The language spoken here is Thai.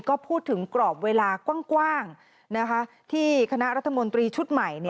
ก็พูดถึงกรอบเวลากว้างที่คณะรัฐมนตรีชุดใหม่